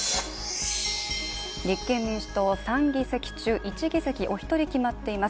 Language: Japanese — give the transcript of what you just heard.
立憲民主党、３議席中１議席、お一人決まっています。